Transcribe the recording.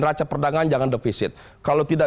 raca perdagangan jangan defisit kalau tidak